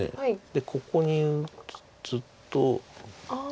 でここに打つと。